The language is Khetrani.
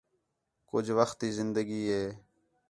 کُجھ وخت تی زندگی ہے